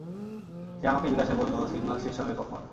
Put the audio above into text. সে আমাকে জিজ্ঞাসা করল সিগনাল শেষ হবে কখন।